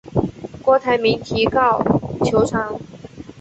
郭台铭提告求偿。